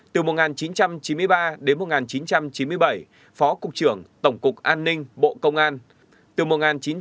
từ một nghìn chín trăm chín mươi đến một nghìn chín trăm chín mươi ba trưởng phòng tổng cục an ninh bộ nội vụ nay là bộ công an